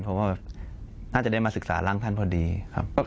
เพราะว่าน่าจะได้มาศึกษาร่างท่านพอดีครับ